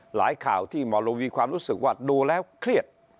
หลายข่าวที่หมอลวีความรู้สึกว่าดูแล้วเครียด